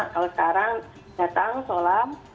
kalau sekarang datang sholat